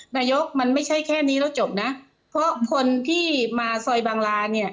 นายกมันไม่ใช่แค่นี้แล้วจบนะเพราะคนที่มาซอยบางราเนี่ย